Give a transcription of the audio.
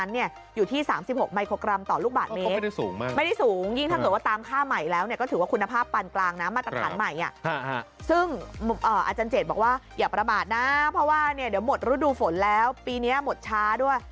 หมดรูดดูฝนแล้วปีเนี้ยหมดช้าด้วย